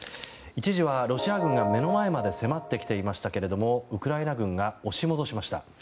一時はロシア軍が目の前まで迫ってきていましたけれどもウクライナ軍が押し戻しました。